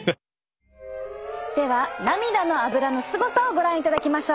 では涙のアブラのすごさをご覧いただきましょう。